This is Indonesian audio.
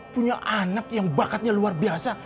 punya anak yang bakatnya luar biasa